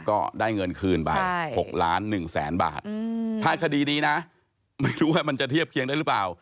ก็ได้เงินคืนไป๖ล้าน๑แสนบาทถ้าคดีนี้นะไม่รู้ว่ามันจะเทียบเคียงได้หรือเปล่า